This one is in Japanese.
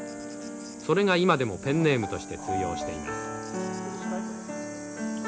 それが今でもペンネームとして通用しています。